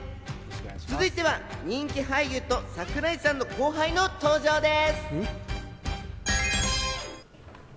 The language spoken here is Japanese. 続いては人気俳優と櫻井さんの後輩の登場です。